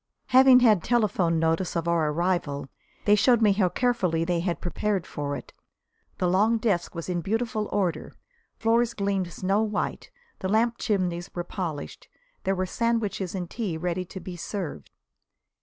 Having had telephone notice of our arrival, they showed me how carefully they had prepared for it. The long desk was in beautiful order; floors gleamed snow white; the lamp chimneys were polished. There were sandwiches and tea ready to be served.